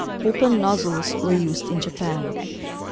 Open nozzles were used in Japan.